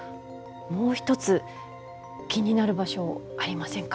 もう一つ気になる場所ありませんか？